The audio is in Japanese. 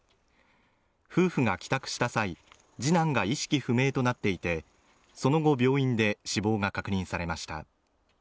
夫婦が帰宅した際次男が意識不明となっていてその後病院で死亡が確認されました